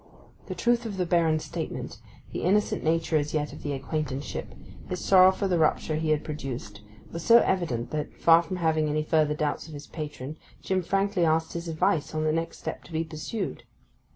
The truth of the Baron's statement, the innocent nature as yet of the acquaintanceship, his sorrow for the rupture he had produced, was so evident that, far from having any further doubts of his patron, Jim frankly asked his advice on the next step to be pursued.